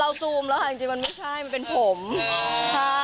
ซูมแล้วค่ะจริงมันไม่ใช่มันเป็นผมค่ะ